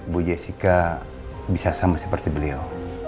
bu jessica bisa sama seperti beliau